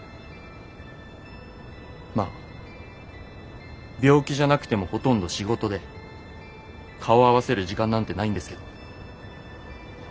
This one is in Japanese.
まっ病気じゃなくてもほとんど仕事で顔合わせる時間なんてないんですけど。